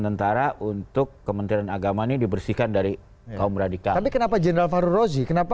tentara untuk kementerian agama ini dibersihkan dari kaum radikal kenapa general farurozzi kenapa